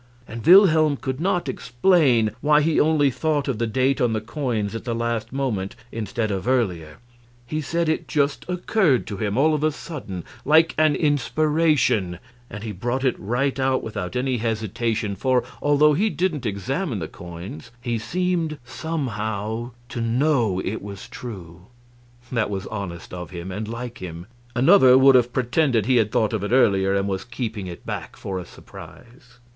And Wilhelm could not explain why he only thought of the date on the coins at the last moment, instead of earlier; he said it just occurred to him, all of a sudden, like an inspiration, and he brought it right out without any hesitation, for, although he didn't examine the coins, he seemed, somehow, to know it was true. That was honest of him, and like him; another would have pretended he had thought of it earlier, and was keeping it back for a surprise.